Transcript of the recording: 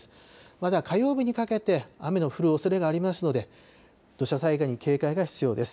まだ火曜日にかけて、雨の降るおそれがありますので、土砂災害に警戒が必要です。